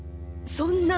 そんな。